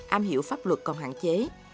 am hiểu pháp luật còn hạn chế